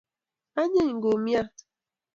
anyiny kumyat